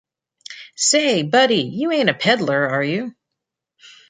Say, buddy, you ain't a pedlar, are you?